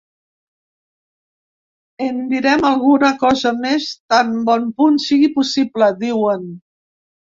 En direm alguna cosa més tan bon punt sigui possible, diuen.